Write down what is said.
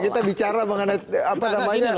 kita bicara mengenai apa namanya